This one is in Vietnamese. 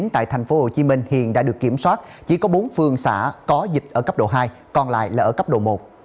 tại tp hcm hiện đã được kiểm soát chỉ có bốn phương xã có dịch ở cấp độ hai còn lại là ở cấp độ một